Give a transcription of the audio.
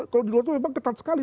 kalau di luar itu memang ketat sekali